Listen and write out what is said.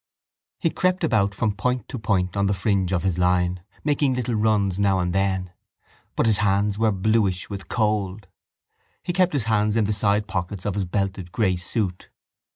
He crept about from point to point on the fringe of his line, making little runs now and then. But his hands were bluish with cold. He kept his hands in the side pockets of his belted grey suit.